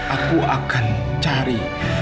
aku akan cari